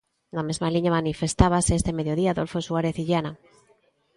Na mesma liña manifestábase este mediodía Adolfo Suárez Illana.